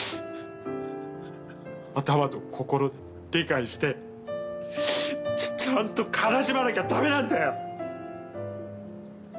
頭と心で理解してちゃんと悲しまなきゃ駄目なんだよ！